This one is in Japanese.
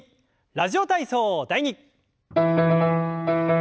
「ラジオ体操第２」。